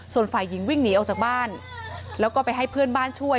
ส่วนฝ่ายหญิงวิ่งหนีออกจากบ้านแล้วก็ไปให้เพื่อนบ้านช่วย